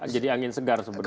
jadi angin segar sebenarnya